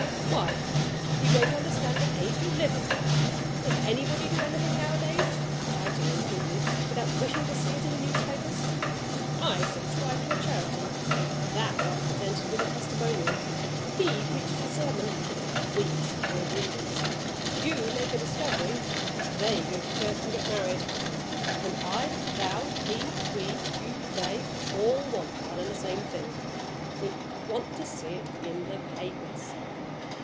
"Why, you don't understand the age you live in! Does anybody do anything nowadays (fighting included) without wishing to see it in the newspapers? I subscribe to a charity; thou art presented with a testimonial; he preaches a sermon; we suffer a grievance; you make a discovery; they go to church and get married. And I, thou, he; we, you, they, all want one and the same thing we want to see it in the papers.